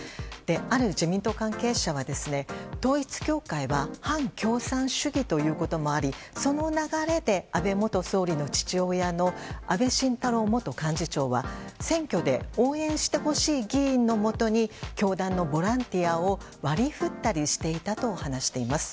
ある自民党関係者は統一教会は反共産主義ということもありその流れで安倍元総理の父親の安倍晋太郎元幹事長は選挙で応援してほしい議員のもとに教団のボランティアを割り振ったりしていたと話しています。